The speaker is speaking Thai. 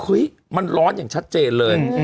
มันร้อนอย่างชัดเจนเลย